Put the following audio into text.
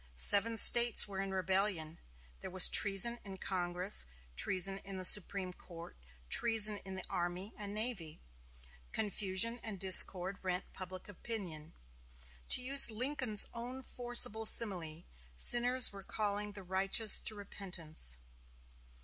Seven States were in rebellion. There was treason in Congress, treason in the Supreme Court, treason in the army and navy. Confusion and discord rent public opinion. To use Lincoln's own forcible simile, sinners were calling the righteous to repentance.